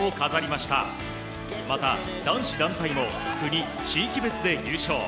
また、男子団体も国・地域別で優勝。